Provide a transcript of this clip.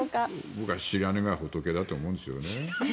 僕は知らぬが仏だと思うんですね。